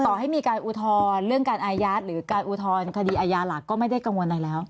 ต่อให้มีการอุทธรณ์เรื่องการอายัดหรือการอุทธรณคดีอาญาหลักก็ไม่ได้กังวลอะไรแล้ว